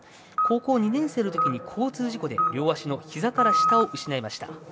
高校２年生のときに交通事故で両足のひざから下を失いました。